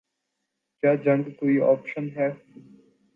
کیا جنگ کوئی آپشن ہے؟